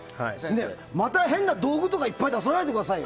また変な道具とかいっぱい出さないでくださいよ。